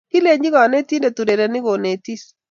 Kilechi kanetindet urerenik konetis